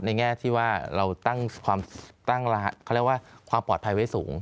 ในแง่ที่ว่าเราตั้งความปลอดภัยไว้สูง